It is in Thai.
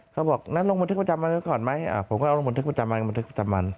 เขาบอกนั่นลงบนทึกประจำมันก็ก่อนไหมผมก็เอาลงบนทึกประจำมัน